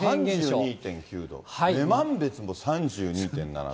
３２．９度、女満別も３２．７度。